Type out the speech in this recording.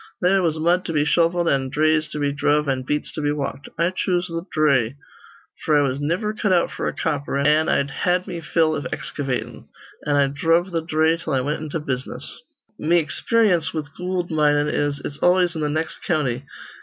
They was mud to be shovelled an' dhrays to be dhruv an' beats to be walked. I choose th' dhray; f'r I was niver cut out f'r a copper, an' I'd had me fill iv excavatin'. An' I dhruv th' dhray till I wint into business. "Me experyence with goold minin' is it's always in th' nex' county.